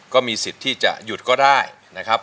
ก็มีสิทธิ์ที่จะหยุดก็ได้นะครับ